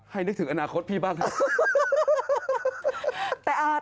ให้นึกถึงอนาคตพี่บ้างเลย